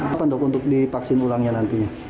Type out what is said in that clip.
apa dok untuk dipaksin ulangnya nantinya